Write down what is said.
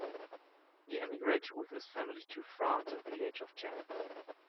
He emigrated with his family to France at the age of ten.